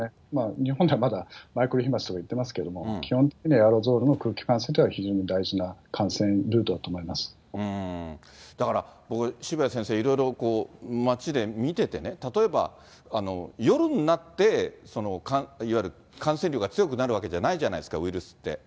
日本ではまだマイクロ飛まつとか言っていますけど、基本的にはエアロゾルの空気感染というのが非常に大事な感染だから、渋谷先生、いろいろ街で見ててね、例えば夜になって、いわゆる感染力が強くなるわけじゃないじゃないですか、ウイルスって。